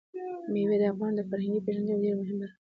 مېوې د افغانانو د فرهنګي پیژندنې یوه ډېره مهمه برخه ده.